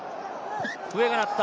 笛が鳴った。